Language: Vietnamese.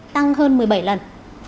tăng hơn một mươi bảy lần